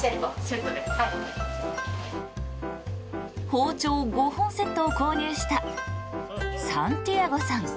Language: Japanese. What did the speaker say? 包丁５本セットを購入したサンティアゴさん。